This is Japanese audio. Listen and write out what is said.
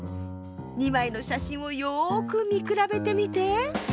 ２まいのしゃしんをよくみくらべてみて。